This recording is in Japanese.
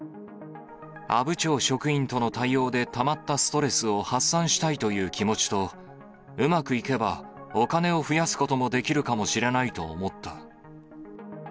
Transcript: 阿武町職員との対応でたまったストレスを発散したいという気持ちと、うまくいけば、お金を増やすこともできるかもしれないと思った。